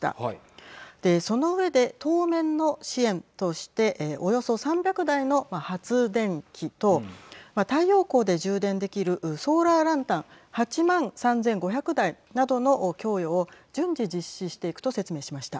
その上で当面の支援としておよそ３００台の発電機と太陽光で充電できるソーラーランタン８万３５００台などの供与を順次実施していくと説明しました。